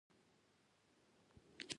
د همدې بوټي کاغذ چې انګرېزي نوم یې پپیازي دی.